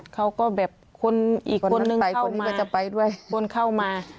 เขาก็แบบคนอีกคนนึงเข้ามา